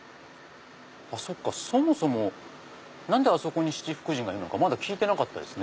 そもそも何であそこに七福神がいるかまだ聞いてなかったですね。